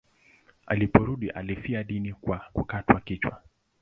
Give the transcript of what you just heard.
Aliporudi alifia dini kwa kukatwa kichwa.